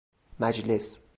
مجلس